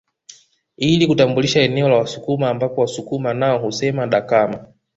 Ili kutambulisha eneo la Wasukuma ambapo Wasukuma nao husema Dakama